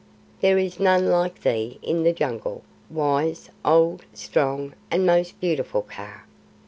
There is none like thee in the Jungle, wise, old, strong, and most beautiful Kaa."